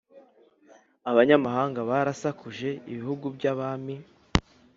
Abanyamahanga barashakuje Ibihugu by abami